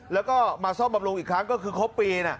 แล้วก็มาซ่อมบำรุงอีกครั้งก็คือครบปีนะ